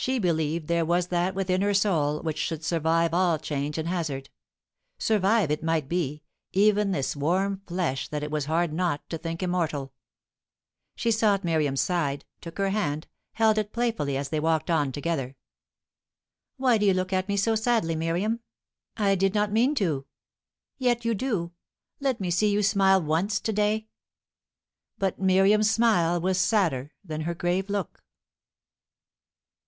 She believed there was that within her soul which should survive all change and hazard survive, it might be, even this warm flesh that it was hard not to think immortal. She sought Miriam's side, took her hand, held it playfully as they walked on together. "Why do you look at me so sadly, Miriam?" "I did not mean to." "Yet you do. Let me see you smile once to day." But Miriam's smile was sadder than her grave look.